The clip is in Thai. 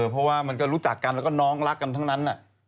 เพราะว่ามันก็รู้จักกันแล้วก็น้องรักกันทั้งนั้น